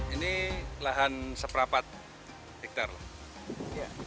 ini lahan seprapat hektare